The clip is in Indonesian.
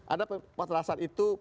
ada poterasan itu